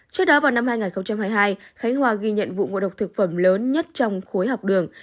trước đó vào năm hai nghìn hai mươi hai khánh hòa ghi nhận vụ ngộ độc thực phẩm lớn nhất trong khối học đường